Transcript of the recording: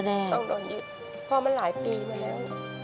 ต้องโดนเยอะเพราะมันหลายปีมาแล้ว